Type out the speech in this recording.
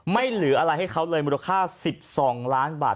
ไม่เหลืออะไรให้เขาเลยมูลค่า๑๒ล้านบาท